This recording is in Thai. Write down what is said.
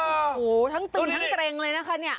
อ๋อโอ้โหทั้งตึงทั้งเตรงเลยนะคะเนี่ย